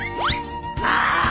まあ！